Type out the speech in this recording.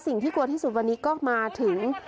สิ่งที่กลัวที่สุดวันนี้ก็มาถึง